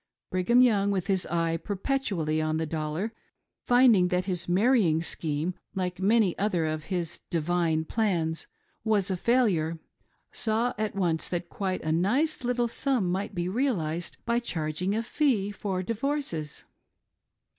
Brigham Young, with his eye perpetually on the dollar, find ing that his marrying scheme^ like many other of his " divine" plans, was a failure, saw at once that quite a nice little sum might be realised by charging a fee for divorces.